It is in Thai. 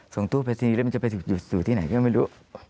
ส่งตู้ไปสนีย์แล้วมันจะไปอยู่ที่ไหนก็ไม่รู้